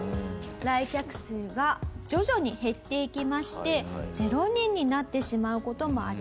来客数が徐々に減っていきまして０人になってしまう事もありました。